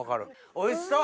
おいしそう！